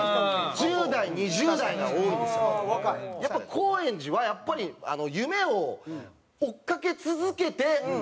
高円寺はやっぱり夢を追っ掛け続けて。